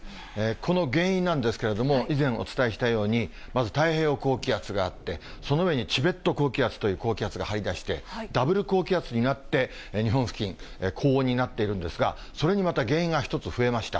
この原因なんですけれども、以前、お伝えしたように、まず太平洋高気圧があって、その上にチベット高気圧という高気圧が張り出して、ダブル高気圧になって、日本付近、高温になっているんですが、それにまた原因が１つ増えました。